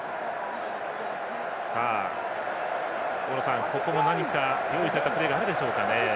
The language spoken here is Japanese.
大野さん、ここも何か用意されたプレーがあるでしょうか。